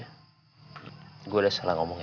saya sudah salah ngomong ya